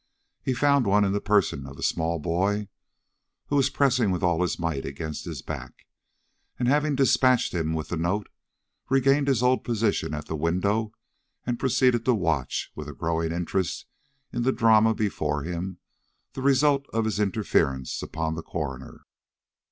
He found one in the person of a small boy, who was pressing with all his might against his back, and having despatched him with the note, regained his old position at the window, and proceeded to watch, with a growing interest in the drama before him, the result of his interference upon the coroner.